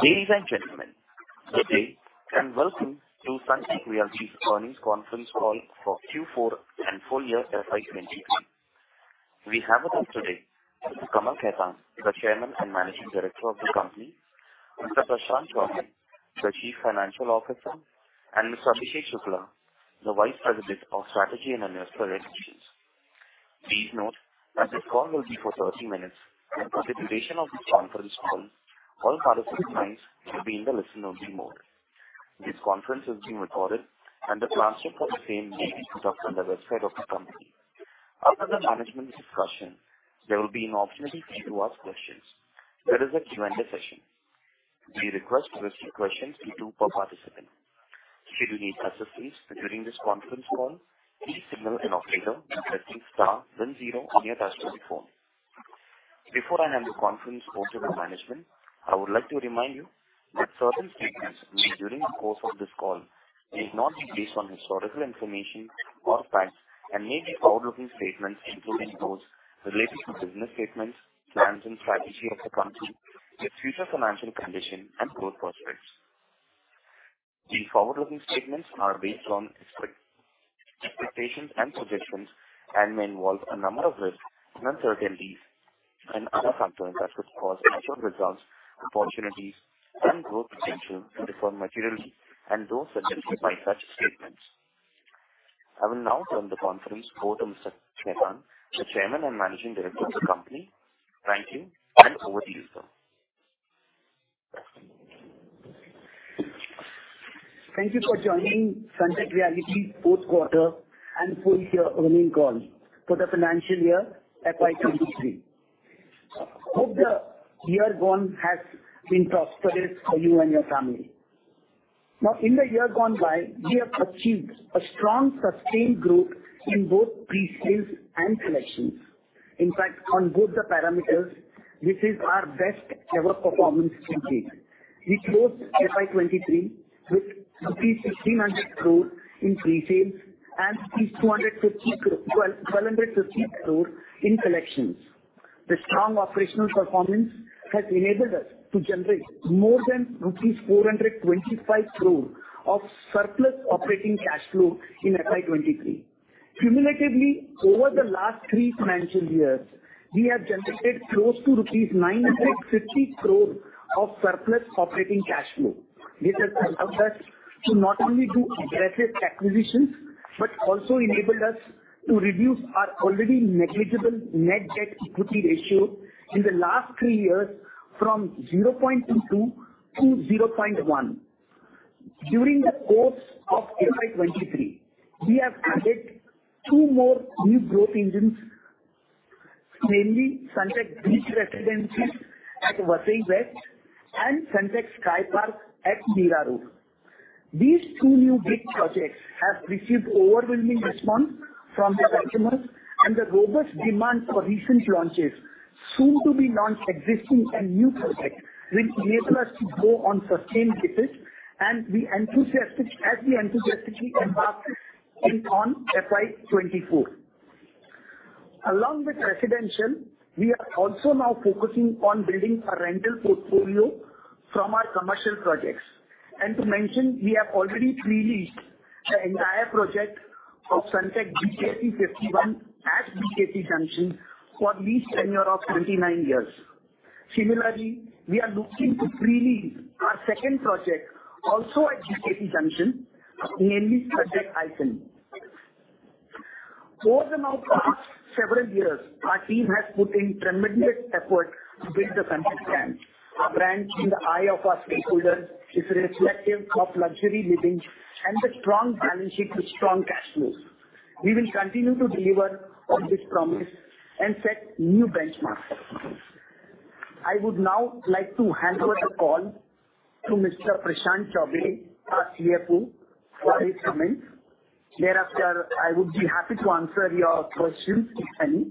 Ladies and gentlemen, good day. Welcome to Sunteck Realty's Earnings Conference Call for Q4 and full year FY23. We have with us today, Mr. Kamal Khetan, the Chairman and Managing Director of the company, Mr. Prashant Chaubey, the Chief Financial Officer, and Mr. Abhishek Shukla, the Vice President of Strategy and Investor Relations. Please note that this call will be for 30 minutes. For the duration of this conference call, all participant lines will be in the listen-only mode. This conference is being recorded. The transcript of the same may be put up on the website of the company. After the management discussion, there will be an opportunity for you to ask questions. There is a Q&A session. We request you to keep questions to two per participant. Should you need assistance during this conference call, please signal an operator by pressing star then zero on your touchtone phone. Before I hand the conference over to the management, I would like to remind you that certain statements made during the course of this call may not be based on historical information or facts, and may be forward-looking statements, including those relating to business statements, plans and strategy of the company, their future financial condition and growth prospects. These forward-looking statements are based on expectations and suggestions and may involve a number of risks, uncertainties, and other factors that could cause actual results, opportunities, and growth potential to differ materially, and those suggested by such statements. I will now turn the conference over to Mr. Khetan, the Chairman and Managing Director of the company. Thank you, and over to you, sir. Thank you for joining Sunteck Realty fourth quarter and full year earnings call for the financial year FY23. Hope the year gone has been prosperous for you and your family. In the year gone by, we have achieved a strong, sustained growth in both pre-sales and collections. In fact, on both the parameters, this is our best ever performance to date. We closed FY23 with rupees 1,600 crores in pre-sales and 1,250 crores in collections. The strong operational performance has enabled us to generate more than rupees 425 crores of surplus operating cash flow in FY23. Cumulatively, over the last 3 financial years, we have generated close to rupees 950 crores of surplus operating cash flow. This has helped us to not only do aggressive acquisitions, but also enabled us to reduce our already negligible net debt-to-equity ratio in the last three years from 0.22 to 0.1. During the course of FY23, we have added two more new growth engines, namely Sunteck Beach Residences at Vasai West and Sunteck Sky Park at Mira Road. These two new big projects have received overwhelming response from the customers and the robust demand for recent launches, soon to be launched, existing and new projects, which enable us to go on sustained basis as we enthusiastically embark it on FY24. Along with residential, we are also now focusing on building a rental portfolio from our commercial projects. To mention, we have already pre-leased the entire project of Sunteck BKC 51 at BKC Junction for lease tenure of 29 years. Similarly, we are looking to pre-lease our second project, also at BKC Junction, namely Sunteck ICON. Over the now past several years, our team has put in tremendous effort to build the Sunteck brand. Our brand in the eye of our stakeholders is reflective of luxury living and the strong balance sheet with strong cash flows. We will continue to deliver on this promise and set new benchmarks. I would now like to hand over the call to Mr. Prashant Chaubey, our CFO, for his comments. Thereafter, I would be happy to answer your questions, if any.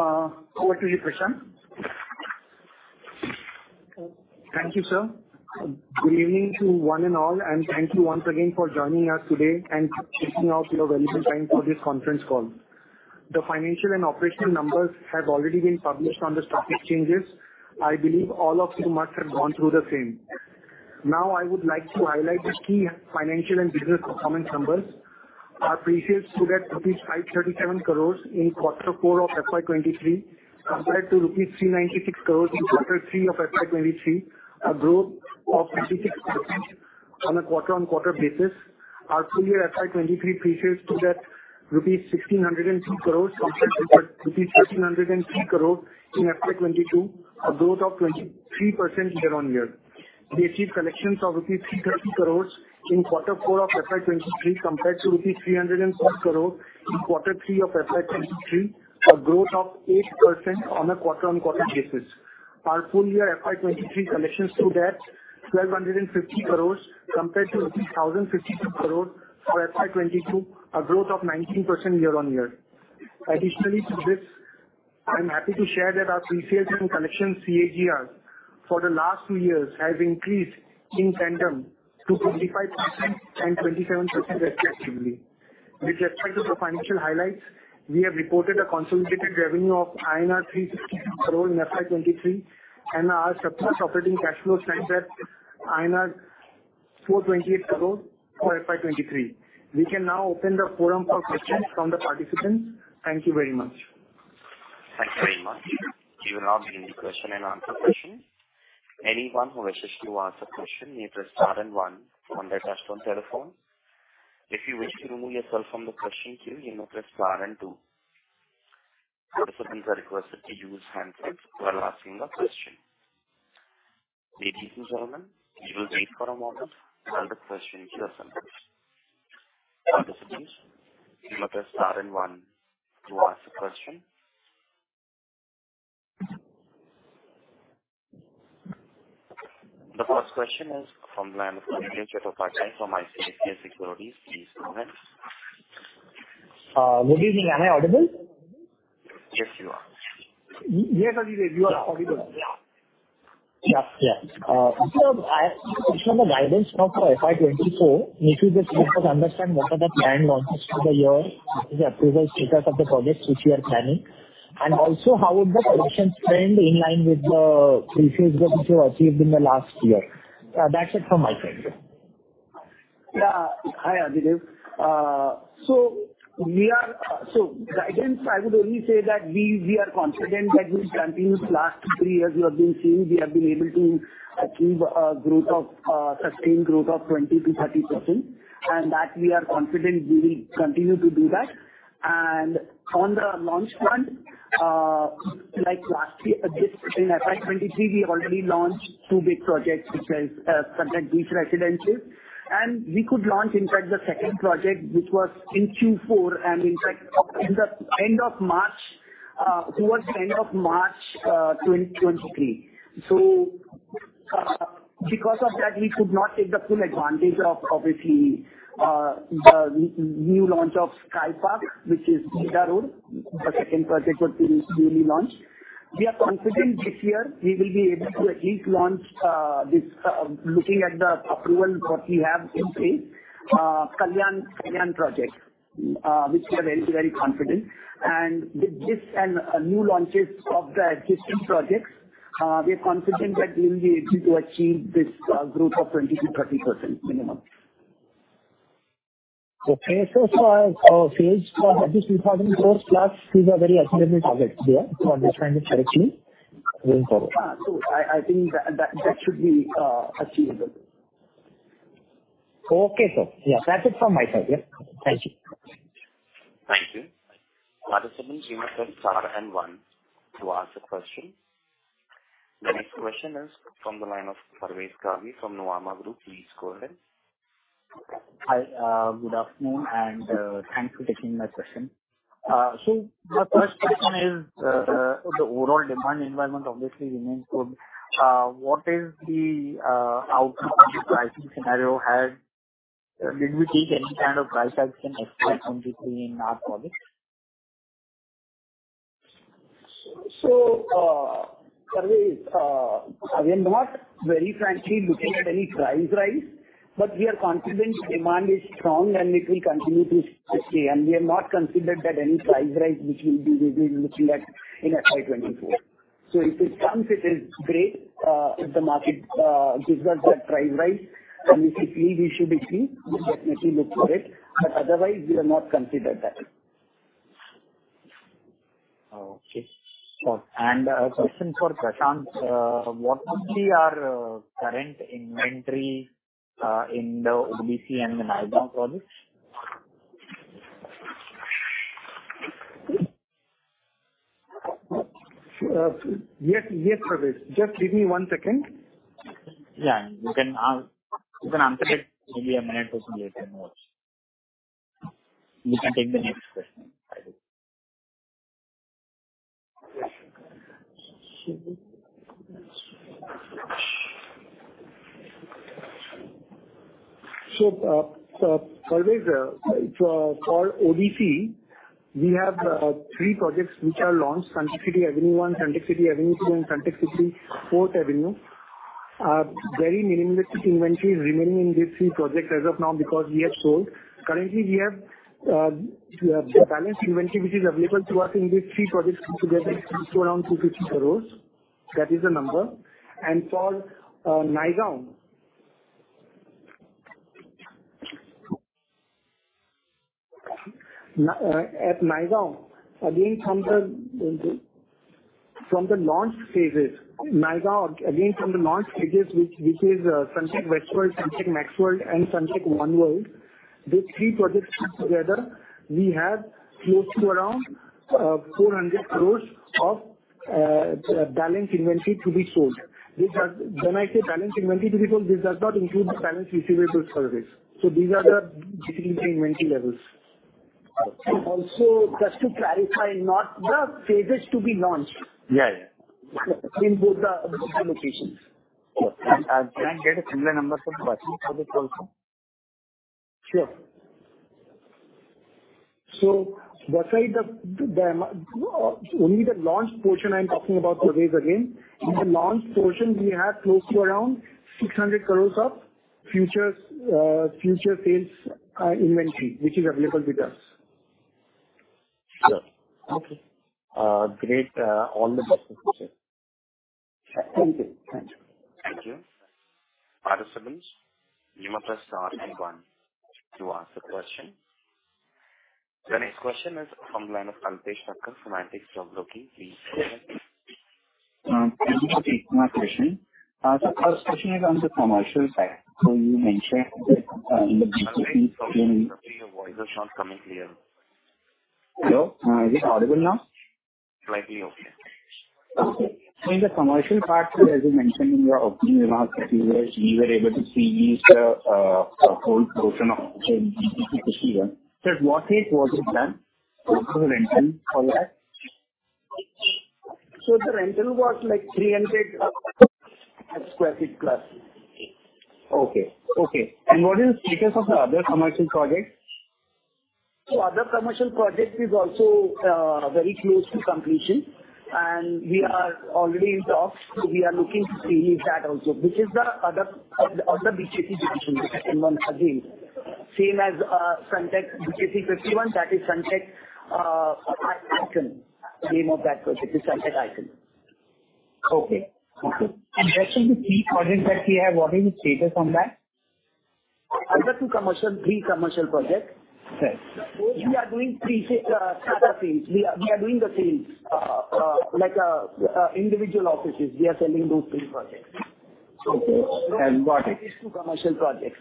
Over to you, Prashant. Thank you, sir. Good evening to one and all, and thank you once again for joining us today and taking out your valuable time for this conference call. The financial and operational numbers have already been published on the stock exchanges. I believe all of you must have gone through the same. Now, I would like to highlight the key financial and business performance numbers. Our pre-sales stood at rupees 537 crores in quarter four of FY23, compared to rupees 396 crores in quarter three of FY23, a growth of 56% on a quarter-on-quarter basis. Our full year FY23 pre-sales stood at INR 1,603 crores, compared to rupees 1,303 crores in FY22, a growth of 23% year-on-year. We achieved collections of rupees 330 crores in quarter four of FY23, compared to rupees 306 crores in quarter three of FY23, a growth of 8% on a quarter-on-quarter basis. Our full year FY23 collections stood at 1,250 crore, compared to 1,052 crore for FY22, a growth of 19% year-on-year. Additionally to this, I'm happy to share that our pre-sales and collections CAGR for the last two years has increased in tandem to 25% and 27% respectively. With respect to the financial highlights, we have reported a consolidated revenue of INR 362 crore in FY23, and our surplus operating cash flow stands at INR 428 crore for FY23. We can now open the forum for questions from the participants. Thank you very much. Thank you very much. We will now begin the question and answer session. Anyone who wishes to ask a question, may press star and one on their touch-tone telephone. If you wish to remove yourself from the question queue, you may press star and two. Participants are requested to use handsets while asking a question. Ladies and gentlemen, we will wait for a moment while the question queue assembles. Participants, you may press star and one to ask a question. The first question is from the line of Ajit from ICICI Securities. Please go ahead. Good evening. Am I audible? Yes, you are. Yes, Ajit, you are audible. Yeah. Yeah. First of all, I have a question on the guidance for FY24. If you just help us understand what are the planned launches through the year, the approval status of the projects which you are planning, and also how would the collections trend in line with the pre-sales that you achieved in the last year? That's it from my side. Hi, Ajit. Guidance, I would only say that we are confident that we continue the last three years you have been seeing. We have been able to achieve a growth of sustained growth of 20%-30%, and that we are confident we will continue to do that. On the launch front, like last year, this in FY23, we already launched two big projects, which is Sunteck Beach Residences, we could launch in fact, the second project, which was in Q4, in fact, in the end of March, towards the end of March, 2023. Because of that, we could not take the full advantage of obviously, the new launch of Skypark, which is Vaibhav, the second project which we launched. We are confident this year we will be able to at least launch, this, looking at the approval what we have in place, Kalyan project, which we are very confident. With this and new launches of the existing projects, we are confident that we will be able to achieve this, growth of 20%-30% minimum. Okay. For sales for this department, those plus these are very achievable targets. Yeah. I'm just trying to correctly move forward. I think that should be achievable. Okay, sir. Yeah, that's it from my side. Yeah. Thank you. Thank you. Participants, you may press star and one to ask a question. The next question is from the line of Parvez Qazi from Nomura Group. Please go ahead. Hi, good afternoon, and thanks for taking my question. The first question is, the overall demand environment obviously remains good. What is the outcome of the pricing scenario had? Did we take any kind of price action expected from this in our project? Parvez, we are not very frankly looking at any price rise, but we are confident demand is strong, and it will continue to stay. We have not considered that any price rise, which we'll be looking at in FY24. If it comes, it is great, if the market gives us that price rise, and we feel we should be keep, we definitely look for it, but otherwise we have not considered that. Oh, okay. Sure. A question for Prashant. What would be our current inventory in the BKC and the Naigaon projects? yes, Parvez. Just give me one second. Yeah, you can answer it maybe a minute or later more. We can take the next question. Parvez, for ODC, we have three projects which are launched, SunteckCity Avenue 1, SunteckCity Avenue 2, and SunteckCity 4th Avenue. Very minimalistic inventory remaining in these three projects as of now because we have sold. Currently, we have balance inventory which is available to us in these three projects put together close to around 250 crores. That is the number. For Naigaon, at Naigaon, again, from the launch phases which is Sunteck WestWorld, Sunteck MaxXWorld, and Sunteck ONEWorld, these three projects together, we have close to around 400 crores of balance inventory to be sold. Which are, when I say balance inventory to be sold, this does not include the balance receivables service. These are basically the inventory levels. Also, just to clarify, not the phases to be launched. Yeah, yeah. In both the locations. Okay. Can I get a similar number from Sunteck also? Sure. beside only the launch portion I'm talking about today is again, in the launch portion we have close to around 600 crores of futures, future sales inventory, which is available with us. Sure. Okay. Great on the business question. Thank you. Thank you. Thank you. Participants, you may press star and 1 to ask the question. The next question is from the line of Altaf Sarkar from Axis Capital. Please go ahead. Thank you for taking my question. The first question is on the commercial side. You mentioned that. Sorry, your voice is not coming clear. Hello? Is it audible now? Slightly okay. Okay. In the commercial part, as you mentioned in your opening remarks, that you guys, you were able to seize the whole portion of 51. What is the plan for the rental for that? The rental was like 300 sq ft plus. Okay. Okay. What is status of the other commercial projects? Other commercial projects is also very close to completion, and we are already in talks, so we are looking to seize that also, which is the other BKC division, again, same as Sunteck BKC 51, that is Sunteck ICON. The name of that project is Sunteck ICON. Okay. That's in the key projects that we have, what is the status on that? Three commercial projects. Right. We are doing three other things. We are doing the things, like individual offices. We are selling those three projects. Okay. Got it. These 2 commercial projects.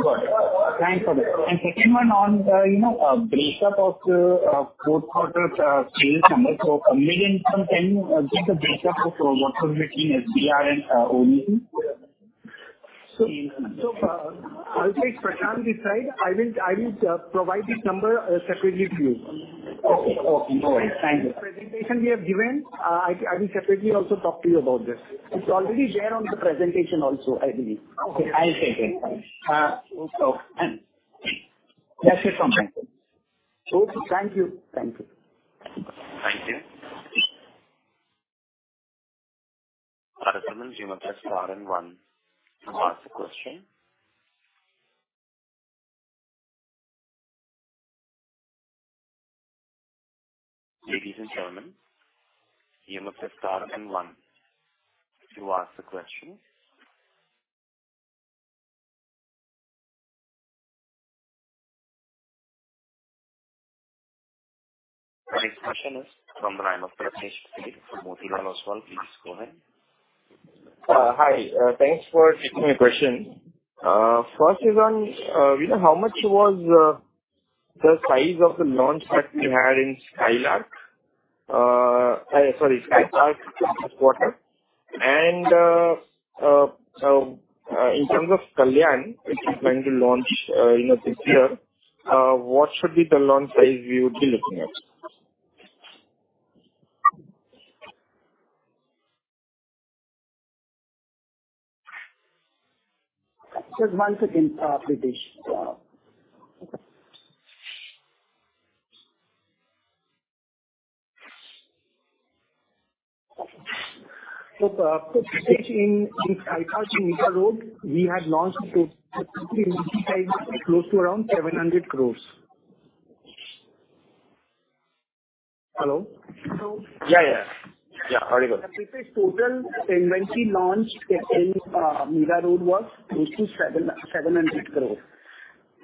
Got it. Thanks for that. Second one on, you know, breakup of fourth quarter sales number. A million sometime, just a breakup of what was between SBR and ODC. I'll take Prashant this side. I will provide this number separately to you. Okay. Okay, thank you. Presentation we have given, I will separately also talk to you about this. It's already there on the presentation also, I believe. Okay, I'll check it. That's it from my end. Okay, thank you. Thank you. Thank you. Participants, you may press star and one to ask the question. Ladies and gentlemen, you may press star and one to ask the question. The next question is from the line of Pritesh from Motilal Oswal. Please go ahead. Hi. Thanks for taking my question. First is on, you know, how much was the size of the launch that you had in Skylark? Sorry, Skylark quarter. In terms of Kalyan, which you're going to launch, you know, this year, what should be the launch size we would be looking at? Just one second, Pritesh. Pritesh, in Skylark, Mira Road, we had launched close to around 700 crores. Hello? Yeah, yeah. Yeah, very good. The total inventory launched in Mira Road was close to 700 crores.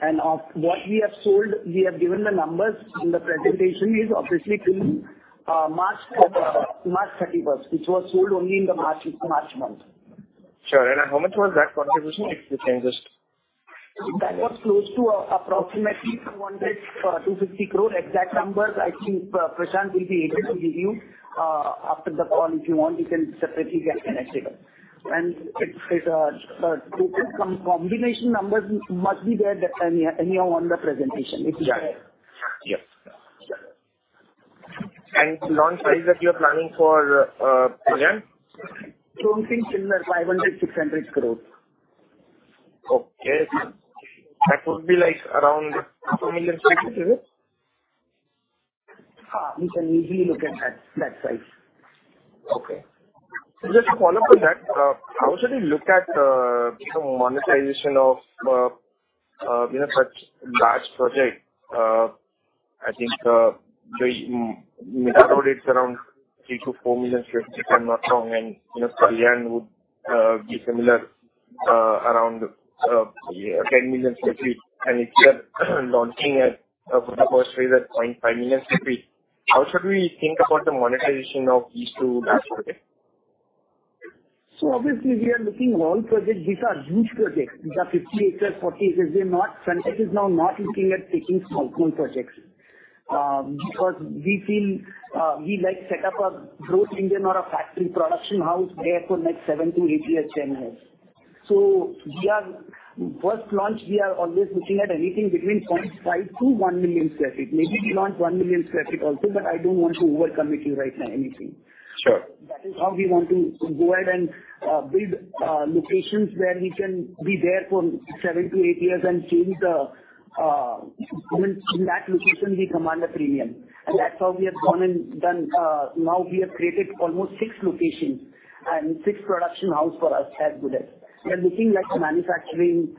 Of what we have sold, we have given the numbers in the presentation is obviously till March 31st, which was sold only in the March month. Sure. How much was that contribution, if you can just? That was close to approximately 260 crore. Exact numbers, I think, Prashant will be able to give you. After the call, if you want, we can separately get connected. It, total combination numbers must be there anyhow on the presentation. It is there. Yeah. Yep. Launch size that you're planning for Kalyan? Something similar, INR 500-600 crores. Okay. That would be like around 2 million sq ft, is it? We can easily look at that size. Okay. Just a follow-up on that, how should we look at, you know, monetization of, you know, such large project? I think, the Mira Road, it's around 3 million-4 million sq ft, if I'm not wrong, and, you know, Kalyan would, be similar, around, yeah, 10 million sq ft. If you are launching it, for the first phase at 0.5 million sq ft, how should we think about the monetization of these two large projects? Obviously we are looking all projects. These are huge projects. These are 50 acres, 40 acres. Sunteck is now not looking at taking small projects because we feel we like set up a growth engine or a factory production house there for next 7-8 years, 10 years. First launch, we are always looking at anything between 0.5-1 million sq ft. Maybe we launch 1 million sq ft also, but I don't want to overcommit you right now anything. Sure. That is how we want to go ahead and build locations where we can be there for seven to eight years and change the in that location, we command a premium. That's how we have gone and done. Now we have created almost six locations and six product house for us as Ghodbunger. We are looking at a manufacturing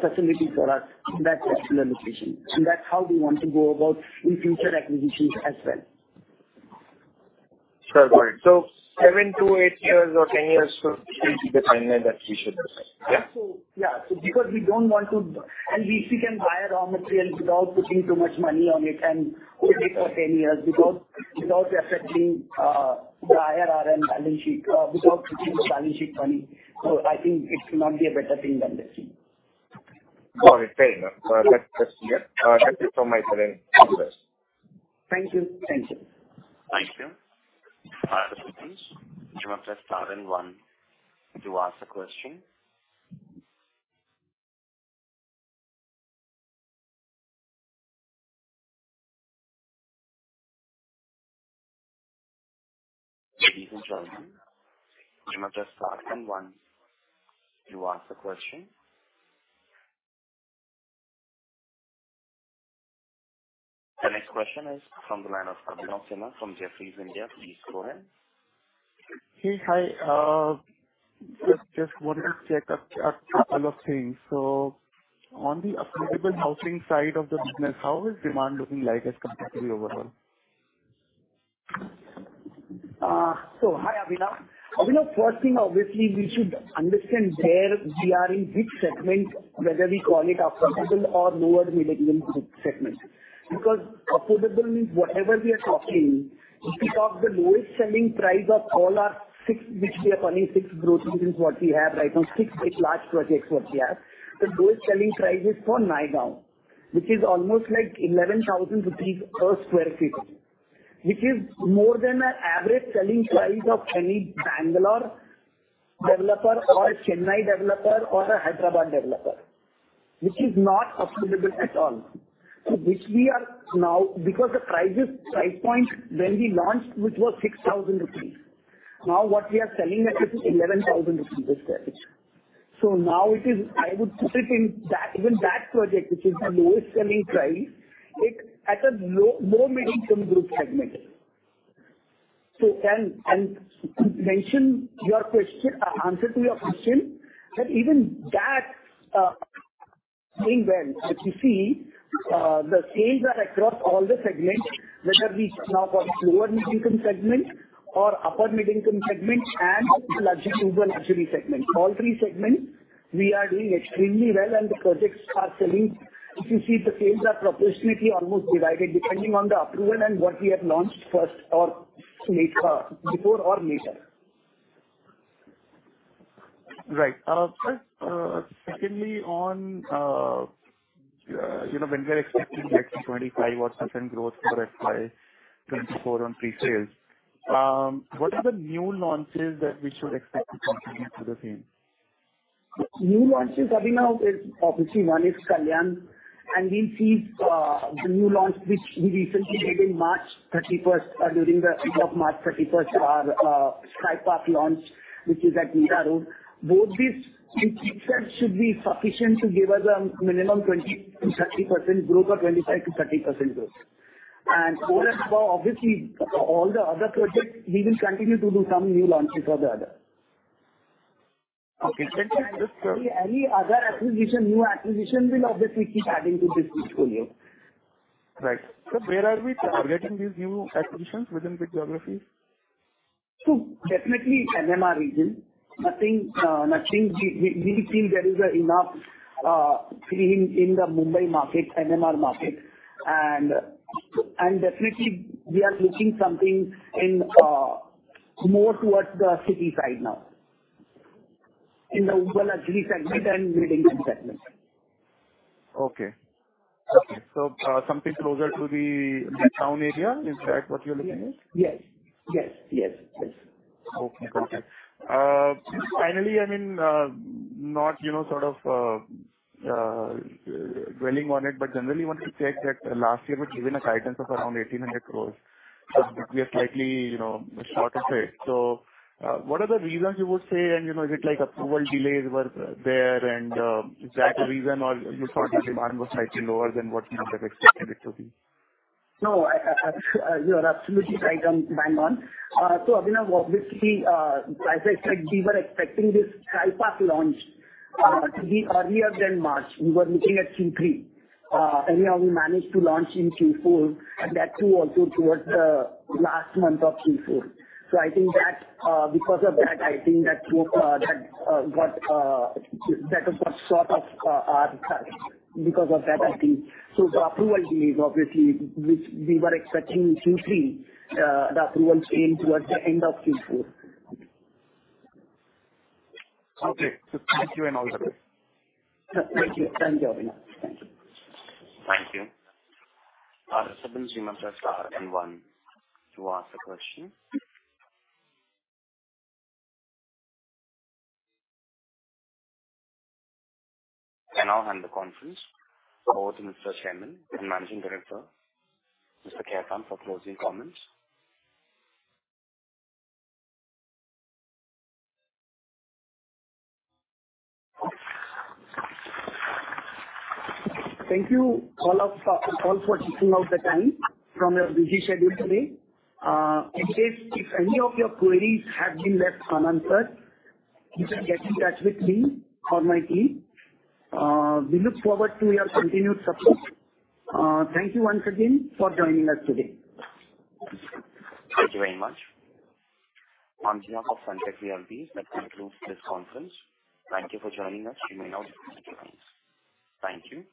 facility for us in that particular location, and that's how we want to go about in future acquisitions as well. Perfect. 7-8 years or 10 years should be the timeline that we should expect? Yeah. Yeah. because we don't want to... we can buy raw materials without putting too much money on it and wait for 10 years because without affecting the IRR and balance sheet, without putting the balance sheet money. I think it cannot be a better thing than this. Got it. Fair enough. that's, yeah. Thank you so much again. Thank you. Thank you. Thank you. Other questions, Just press star and one to ask a question. You can join. The next question is from the line of Abhinav Sinha from Jefferies India. Please go ahead. Hey. Hi. Just wanted to check a couple of things. On the affordable housing side of the business, how is demand looking like as compared to the overall? Hi, Abhinav. Abhinav, first thing, obviously, we should understand where we are in which segment, whether we call it affordable or lower middle income segment. Affordable means whatever we are talking, if we talk the lowest selling price of all our 6, which we are calling 6 growth, is what we have right now, 6 large projects, what we have. The lowest selling price is for Naigaon, which is almost like 11,000 rupees per sq ft, which is more than an average selling price of any Bangalore developer or a Chennai developer or a Hyderabad developer, which is not affordable at all. Which we are now because the prices, price point when we launched, which was 6,000 rupees. Now what we are selling at is 11,000 rupees per square. Now it is, I would put it in that, even that project, which is the lowest selling price, it's at a low middle income group segment. To answer your question, that even that, if you see, the sales are across all the segments, whether we now call lower middle income segment or upper middle income segment and the luxury segment. All three segments, we are doing extremely well and the projects are selling. If you see, the sales are proportionately almost divided, depending on the approval and what we have launched first or later. Right. sir, secondly, on, you know, when we are expecting like 25 odd % growth for FY24 on pre-sales, what are the new launches that we should expect to contribute to the same? New launches, Abhinav, is obviously one is Kalyan. We see the new launch, which we recently did in March 31st, our Sky Park launch, which is at Mira Road. Both these in itself should be sufficient to give us a minimum 20%-30% growth or 25%-30% growth. For us, for obviously all the other projects, we will continue to do some new launches or the other. Okay. Any other acquisition, new acquisition will obviously keep adding to this portfolio. Right. Where are we targeting these new acquisitions within which geographies? Definitely MMR region. Nothing. We think there is enough seeing in the Mumbai market, MMR market, and definitely we are looking something in more towards the city side now, in the urban luxury segment and middle income segment. Okay. Okay. Something closer to the town area, is that what you're looking at? Yes. Yes, yes. Okay, got it. finally, I mean, not, you know, sort of, dwelling on it, but generally want to check that last year we'd given a guidance of around 1,800 crores, but we are slightly, you know, short of it. What are the reasons you would say? You know, is it like approval delays were there and, is that the reason or you thought the demand was slightly lower than what you have expected it to be? No, you are absolutely right on, bang on. Abhinav, obviously, as I said, we were expecting this Skypark launch to be earlier than March. We were looking at Q3. Anyhow, we managed to launch in Q4, and that too, also towards the last month of Q4. I think that because of that, I think that that got that was sort of because of that, I think. The approval delays, obviously, which we were expecting in Q3, the approval came towards the end of Q4. Okay. Thank you and all the best. Thank you. Thank you, Abhinav. Thank you. Thank you. Press star and one to ask the question. I now hand the conference over to Mr. Chairman and Managing Director, Mr. Khetan, for closing comments. Thank you all for taking out the time from your busy schedule today. In case if any of your queries have been left unanswered, you can get in touch with me or my team. We look forward to your continued support. Thank you once again for joining us today. Thank you very much. On behalf of Systematix Global, that concludes this conference. Thank you for joining us. You may now disconnect your lines. Thank you.